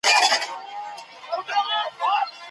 څنګه سوداګریز شرکتونه خالص زعفران اروپا ته لیږدوي؟